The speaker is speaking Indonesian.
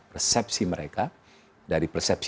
persepsi mereka dari persepsi